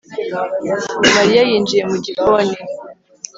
Mariya yinjiye mu gikoni